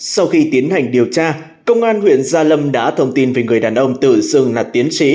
sau khi tiến hành điều tra công an huyện gia lâm đã thông tin về người đàn ông tự xưng là tiến trí